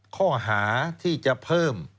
ข้อหาที่จะเพิ่ม